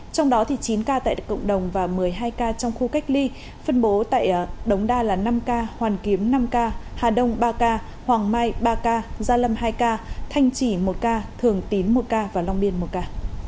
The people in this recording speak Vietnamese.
trong đó chín ca tại cộng đồng và một mươi hai ca trong khu cách ly phân bố tại đống đa là năm ca hoàn kiếm năm ca hà đông ba ca hoàng mai ba ca gia lâm hai ca thanh trì một ca thường tín một ca và long biên một ca